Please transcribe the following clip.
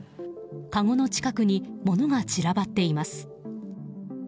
かごの近くに物が散らばっています。